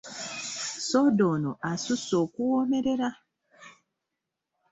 Soda ono asusse okuwoomerera!